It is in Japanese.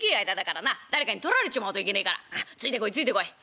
誰かに取られちまうといけねえからついてこいついてこい。